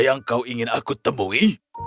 yang kau ingin aku temui